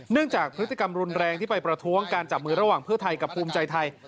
จากพฤติกรรมรุนแรงที่ไปประท้วงการจับมือระหว่างเพื่อไทยกับภูมิใจไทย